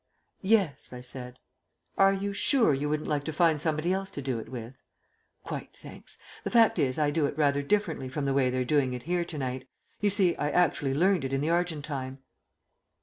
"Yes," I said. "Are you sure you wouldn't like to find somebody else to do it with?" "Quite, thanks. The fact is I do it rather differently from the way they're doing it here to night. You see, I actually learnt it in the Argentine."